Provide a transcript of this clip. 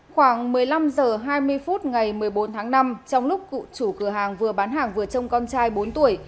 khoảng một mươi năm h hai mươi phút ngày một mươi bốn tháng năm trong lúc chủ cửa hàng vừa bán hàng vừa trông con trai bốn tuổi